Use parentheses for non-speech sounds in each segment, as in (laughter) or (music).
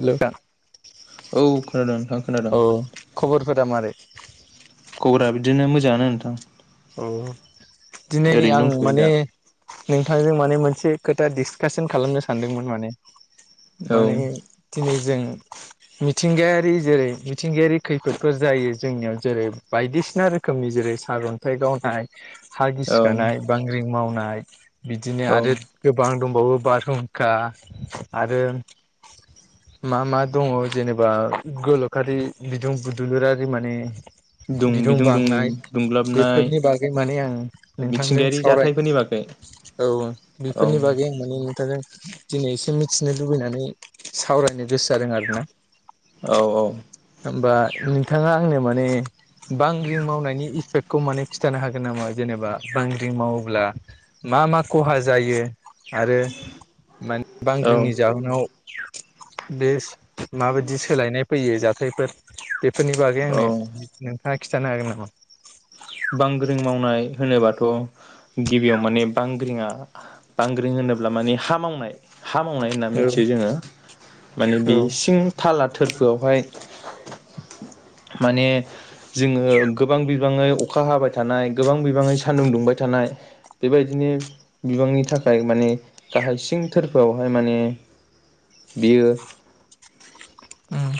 हेल नोंथां औ खोनादों नोंथां खोनादों औ खबरफोर रा मारै खबरा बिदिनो मोजाङानो नोंथां अ दिनै ओरैनो आं दंथ'यो माने दा नोंथांजों माने मोनसे खोथा डिसकासन खालामनो सानदोंमोन माने औ माने (unintelligible) जों मिथिंगायारि जेरै मिथिंगायारि खैफोदफोर जायो जोंनियाव जेरै बायदिसिना रोखोमनि जेरै सारअन न्थाय गावनाय हा औ गिसिखानाय बांग्रिं मावनाय नाय बिदिनो औ आरो गोबां दंबावो बारहुंखा आरो मा मा दङ जेनेबा गोलखारि बिदुं दुलुरारि माने दं बिदुं दुं दुंब्ला बेफोरनि बागै माने आं नोंथांजों मिथिंगायारि सावराय जाथायफोरनि बागै औ औ बेफोरनि बागै आं माने बिनि थाखाय दिनै एसे मिथिनो लुबैनानै सावरायनो गोसो जादों आरोना औ औ। होमबा नोंथाङा आंनो माने बांग्रि मावनायनि इफेक्ट खौ माने खिन्थानो हागोन नामा जेनेबा बांग्रिं मावोब्ला मा मा खहा जायो आरो माने औ बांग्रिंनि जाहोनाव बे माबायदि सोलायनाय फैयो जाथायफोर बे फोरनि बागै औ आंनो नोंथाङा खिथानो हागोन नामा? बांग्रिं मावनाय होनोबाथ' गिबियाव माने बांग्रिङा बांग्रिं होनोब्ला माने हा मावनाय। हा मावनाय होनना औ मिथियो जोङो। माने औ बे सिं थाला थोरफोवावहाय माने जोङो गोबां बि बाङै अखा हाबाय थानाय गोबां बि बाङै सानदुं दुंबाय थानाय बेबायदिनो बिबांनि थाखाय माने गाहाय सिं थोरफोवावहाय माने बेयो उम।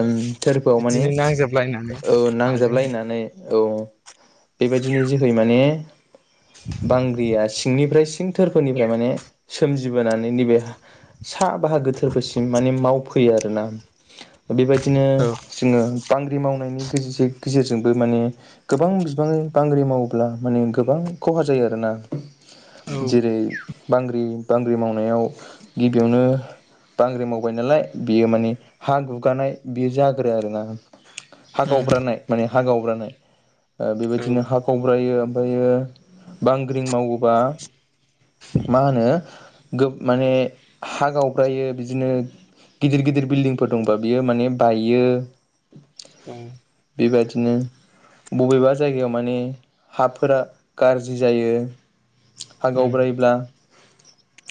ओ थोरफोवाव माने नांजाबलायनानै ओ हाजों नांजाबलायनानै औ बेबायदिनि जोहै माने बांग्रिया सिंनिफ्राय सिं थोरफोनिफ्राय माने सोमजिबोनानै नैबे सा बाहागो थोरफोरसिम माने मावफैयो आरो। (inaudible) बेबायदिनो औ जोङो बांग्रि मावनायनि (inaudible) गेजेरजोंबो माने गोबां बिबाङै बांग्रि मावोब्ला माने गोबां खहा जायो आरोना। उम जेरै बांग्रि बांग्रि मावनायाव गिबियावनो बांग्रिं मावबाय नालाय बेयो माने हा गु गानाय बेयो जागोरो आरोना। हा औ गावब्रानाय माने। हा गावब्रानाय। ओ बेबायदिनो हा औ गावब्रायो ओमफायो बांग्रिं मावोबा मा होनो गो माने हा गावब्रायो बिदिनो गिदिर गिदिर बिल्डिंफोर दं बा बियो माने बायो। उम। बेबायदिनो बबेबा जायगायाव माने हाफोरा गारजि जायो। उम हागावब्रायोब्ला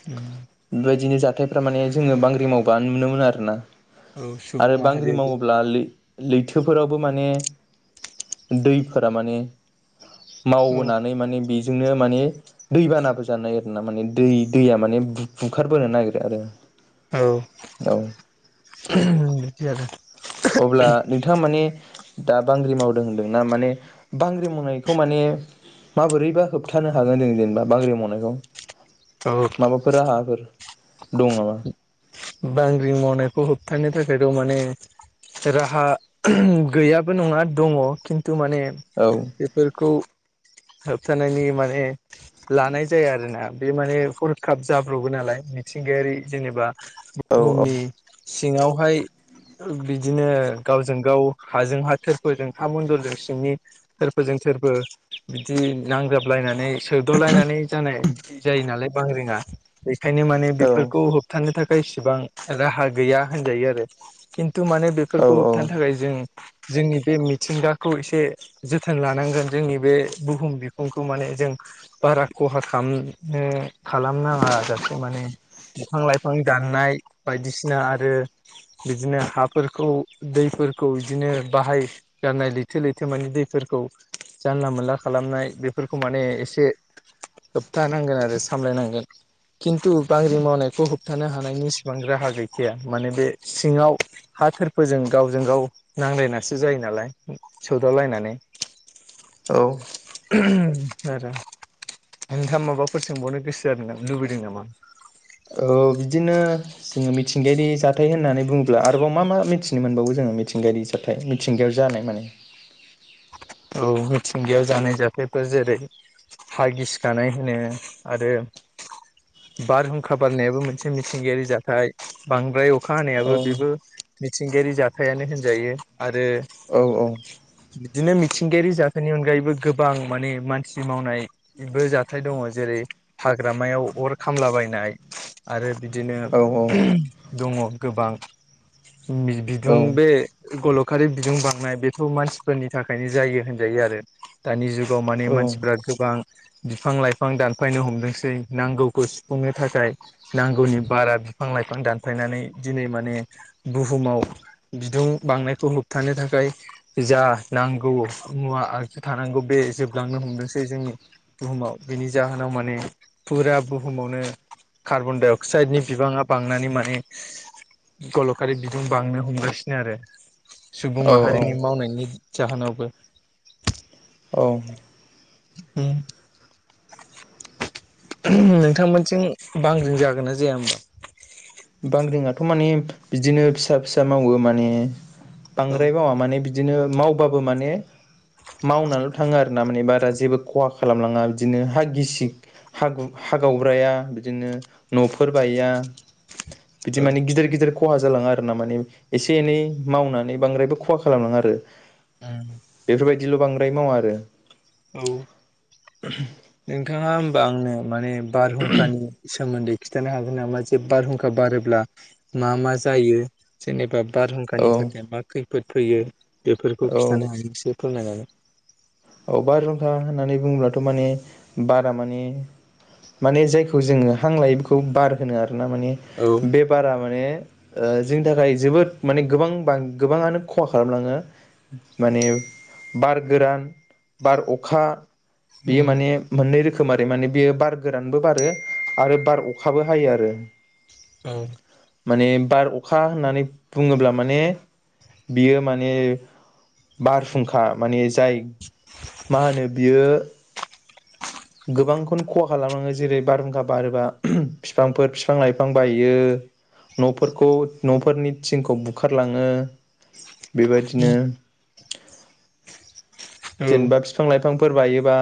उम बेबायदिनो जा हाथायफ्रा माने जोङो बांग्रि मावबा नुनो मोनो आरो ना। औ सुबुं आरो बांग्रि माहारियाबो मावोब्ला लै लैथोफोरावबो माने दैफोरा माने औ मावहोनानै माने बि जोंनो माने दै बानाबो जानो नागिरो माने दै-दैया माने बुखारबोनो नागिरो आरो। औ। औ दि आरो। अब्ला नोंथाङा माने दा बांग्रि मावदों होन्दोंना माने बांग्रि मावनायखौ माने माबोरैबा होबथानो हागोन जों जेनेबा बांग्रि मावनायखौ? औ माबाफोर राहाफोर दं नामा बांग्रिं मावनायखौ हो थानो थाखायथ' माने राहा गैयाबो नङा दङ' खिन थु माने औ बेफोरखौ होबथानायनि माने लानाय जाया आरोना बे माने हरखाब जाब्र'बो नालाय। मिथिंगायारि जेनेबा औ हुमनि सिङावहाय बिदिनो गावजों गाव हाजों हा थोरफोजों था मन्दलजों सिंनि थोरफोजों थोरबो बिदि नांजाबलायनानै सोद' लायनानै जानाय जायो नालाय। बांग्रिङा बेखायनो माने औ बेफोरखौ होबथानो थाखाय इसेबां राहा गैया होनजायो आरो। खिन थु' माने बेफोरखौ औ औ होबथानो थाखाय जों जोंनि बे मिथिंगाखौ एसे जोथोन लानांगोन जोंनि बे बुहुम बिखुंखौ माने जों बारा खहा खालामनो खालामनाङा जासे माने बिफां लाइफां दाननाय बायदिसिना आरो बिदिनो हाफोरखौ दैफोरखौ बिदिनो बाहाय जनाय लैथो लैथो माने दैफोरखौ जानला मोनला खालामनाय बेफोरखौ माने एसे होबथानांगोन आरो सामलायनांगोन। खिन्थु बांग्रि मावनायखौ होबथानो हानायनि इसिबां राहा गैखाया माने बे सिङाव हाथोरफोरोजों गावजों गाव नांलायनासो जायो नालाय सौदावलायनानै। औ। आरो नोंथां माबाफोर सोंबावनो गोसो आरोा लुबैदों नामा? औ बिदिनो जोङो मिथिंगायारि जाथाय होननानै बुङोब्ला आरोबाव मा मा मिथिनो मोनबावो जोङो? मिथिंगायारि जाथाय मिथिंगायाव जानाय माने। औ मिथिंगायाव जानाय जाथायफोर जेरै हा गिसिखानाय होनो आरो बारहुंखा बारनायाबो मोनसे मिथिंगायारि जाथाय। बांद्राय अखा औ हानायाबो बेबो मिथिंगायारि जाथायानो होनजायो। आरो औ औ बिदिनो मि जाथायनि अनगायैबो गोबां माने मानसि मावनायबो जाथाय दङ'। जेरै हाग्रामायाव अर खामला बायनाय आरो बिदिनो औ दङ'। गोबां बि-बिदुं बे गल' खारि बिदुं बांनाय बेथ' मानसिफोरनि था नो जायोजायो आरो दानि जु गावमानि औ मानसिफ्रा गोबां बिफां लाइफां दानफायनो हमदोंसै नांगौखौ सुफुंनो थाखाय नांगौनि बारा बिफां लाइफां दानफायनानै दिनै माने बुहुमाव बिदुं बांनायखौ होबथानो थाखाय जा- नांगौ मुवा आगजु थानांगौ बे जोबलांनो हमदोंसै जोंनि बुहुमाव बेनि जाहोनाव माने फुरा बुहुमावनो कार्बन डाइ अक्साइडनि बिबाङा बांनानै माने गलखारि बिदुं बांनो हमगासिनो आरो सुबुं औ औ माहारिनि मावनायनि जाहोनावबो- (unintelligible) ओम नोंथांमोनजों बांग्रिं जागोन ना जाया होमबा बांग्रिंआथ' माने बिदिनो फिसा फिसा मावो माने बांद्राय बावा माने बिद बिदिनो मावबाबो माने मावनानैल' थाङो आरो ना माने बारा जेबो खहा खालामलाङा बिदिनो हा गिसि हा गु हा गावब्राया बिदिनो नफोर बाया बिदि औ मानि गिदिर गिदिर खहा जालाङा आरो ना माने एसे एनै मावनानै बांद्रायबो खहा खालामलाङा आरो ओम दिल' बांद्राय मावा आरो औ नोंथाङा होमबा आंनो माने बारहुंखानि सोमोन्दै खिथानो हागोन नामा जे बारहुंखा बारोब्ला मा मा जायो जेनेबा औ बारहुंखानि थाखाय मा खै फोद फैयो। बेफोरखौ औ खिथानो हायासै। फोरमाय जागोन। औ बार हुंखा होननानै बुङोब्लाथ' माने बारा माने माने जायखौ जोङो हां लायो बेखौ बार होनो आरो ना माने औ बे बारा माने ओ जोंनि थाखाय जोबोद माने गोबां बा गोबाङानो खहा खालामलाङो माने बार गोरान बार, अखा- बेयो उम माने मोननै रो खोम आरो माने बेयो बार गोरानबो बारो आरो बार अखाबो हायो आरो औ माने बार अखा होननानै बुङोब्ला माने बियो माने बार फुंखा माने जाय मा होनो बियो गोबांखौनो खहा खालामलाङो जेरै बारहुंखा बारोबा फिफांफोर फिफां लाइफां बायो न'फोरखौ न'फोरनि थिंखौ बुखारलाङो। बेबायदिनो। उम औ जेनेबा फिफां- लाइफां फिफांफोर बायोबा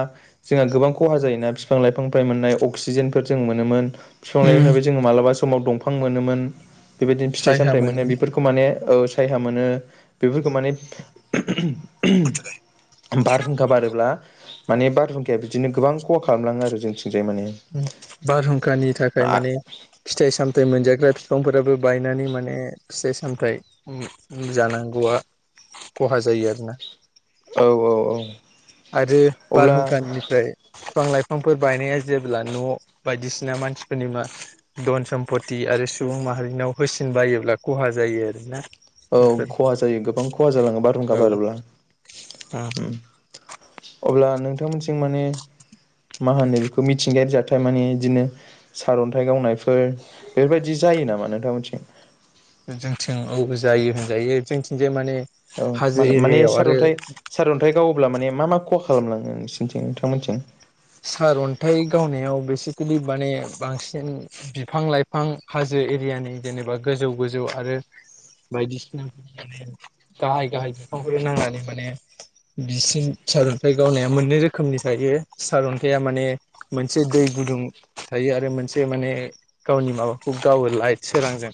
जोंहा गोबां खहा जायोना फिफां लाइफांनिफ्राय मोननाय अक्सिजेनफोर जों मोनोमोन। फिफां उम लायफांनिफ्राय जों मालाबा समाव दंफां मोनोमोन। बेबायदिनो फिथाइ सामथाइ मोनो बेफोरखौ माने औ सायहा मोनो बेफोरखौ माने (unintelligible) बारहुंखा बारो ब्ला माने बारहुंखाया बिदिनो गोबां खहा आरो जों ओम बारहुंखानि थाखाय औ माने फिथाइ सामथ मोनजाग्रा बिफांफोराबो बायनानै माने फिथाइ सामथाइ ओ ओम जानांगौआ खहा जायो आरोना। औ औ औ। आरो अब्ला बारहुंखानिफ्राय बिफां लाइफांफोर बायनाया जेब्ला न' बायदिसिना मानसिफोरनि मा धन सम्पति आरो सुबुं माहारिनाव होसिन बायोब्ला खहा जायो आरोना। औ बेफोर खहा जायो गोबां खहा जालाङो बारहुंखा औ बारोब्ला ओम। अब्ला नोंथांमोनथिं माने मा होनो बेखौ मिथिंगायारि जाथाय माने बिदिनो सारन्थाइ गावनायफोर बेफोरबायदि जायो नामा नोंथांमोनथिं? ओम जोंथिं औबो जायो होनजायो जोंथिंजाय माने औ हाजो मान-माने एरियायाव आरो सारअन्थाइ सारअन्थाइ गाव ब्ला माने मा मा खहा खालामलाङो नोंसिनिथिं नोंथांमोनथिं? सारअन्थाइ गावनायाव बेसिकेलि माने बांसिन बिफां लाइफां हाजो एरियानि जेनेबा गोजौ गोजौ आरो बायदिसिनाफोर माने गाहाय गाहाय बिफांफोर नांनानै माने बिसिम सारअन्थाइ गावनाया मोननै रोखोमनि थायो। सार अन्थाइया माने मोनसे दै गुदुं थायो आरो मोनसे माने गावनि माबाखौ गावो लाइट सोरांजों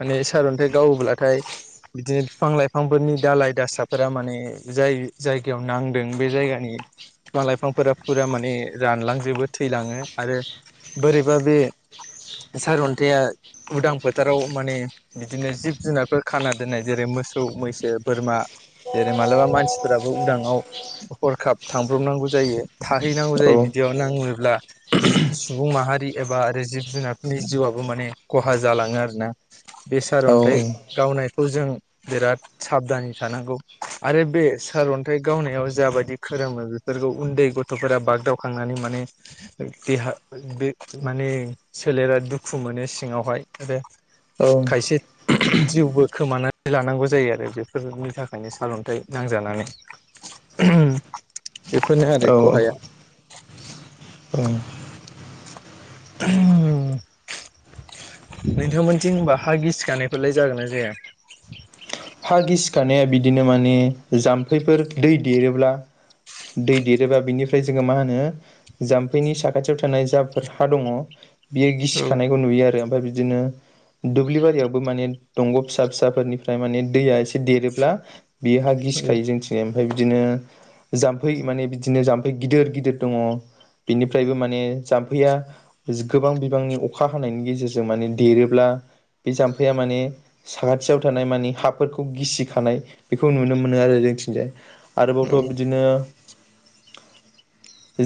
माने सार अन्थाइ गावोब्लाथाय बिदिनो बिफां लाइफांफोरनि दाालाय दासाफोरा माने जाय जायगायाव नांदों बे जायगानि बिफां लाइफांफोरा फुरा माने रानलांजोबो थैलाङो आरो बोरैबा बे सारअन्थाइया उदां फोथाराव माने बिदिनो जिब जुनारफोर खाना दोननाय जेरै मोसौ, मैसो, बोरमा जेरै मालाबा मानसिफोराबो उदाङाव हरखाब थांब्रबनांगौ जायो। थाहैनांगौ औ जायो बिदियाव नाङोब्ला जि सुबुं माहारि एबा आरो जिब जुनारफोरनि जिउआबो माने खहा जालाङो आरोना। बे सार औ अन्थाइ गावनाय खौ जों बिराद साबधानै थानांगौ आरो बे सार अन्थाइ गावनायाव जाबायदि खोरोमो बेफोरखौ उन्दै गथ' गथ'फोरा बागदावखांनानै माने देहा बे माने सोलेरा दुखु मोनो सिङावहाय आरो औ खायसे जिउबो खोमानानै लानांगौ जायो आरो बेफोरनि थाखायनो सालन्थाइ नांजानानै बेफोरनो आरो औ खहाया। औ (unintelligible) नोंथांमोनथिं होनबा हा गिसिखानायफोरलाय जागोन ना जाया? हा गिसिखानाया बिदिनो माने जाम्फैफोर दै देरोब्ला दै देरोबा बिनिफ्राय जोङो मा होनो जाम्फैनि साखाथियाव थानाय जाफोर हा दङ बियो औ गिसिखानायखौ नुयो आरो। ओमफ्राय बिदिनो दुब्लि बारियावबो माने दंग' फिसा फिसाफोरनिफ्राय माने दैया एसे देरोब्ला बेयो हा गिसिखायो जोंथिं ओमफ्राय बिदिनो जाम्फै माने बिदिनो जाम्फै गिदिर गिदिर दङ बेनिफ्रायबो माने जाम्फैया गोबां बिबांनि अखा हानायनि गेजेरजों माने देरोब्ला बे जाम्फैया माने साखाथियाव थानाय माने हा फोरखौ गिसिखानाय बेखौ नुनो मोनो आरो जोंथिजाय। औ आरोबावथ' बिदिनो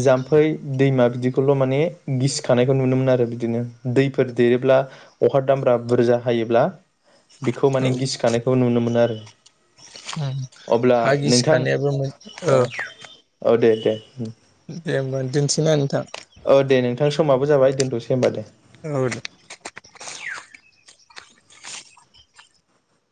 जाम्फै दैमा बिदिखौल' माने गिसिखानायखौ नुनो मोनो आरो बिदिनो दैफोर देरोब्ला अखा दामब्रा बुरजा हायोब्ला बेखौ औ माने गिसिखानाय नुनो मोनो आरो। अब्ला हा नोंथां गिसिखानायाबो ए उम दे होमबा दिनसिना नोंथां औ दे नोंथांनि समाबो जाबाय दोनथ'सै होमबा दे औ दे